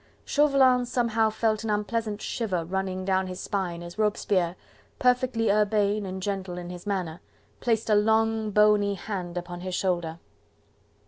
Chauvelin somehow felt an unpleasant shiver running down his spine as Robespierre, perfectly urbane and gentle in his manner, placed a long, bony hand upon his shoulder.